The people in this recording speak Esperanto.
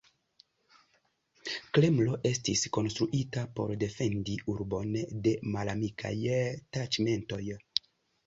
Kremlo estis konstruita por defendi urbon de malamikaj taĉmentoj.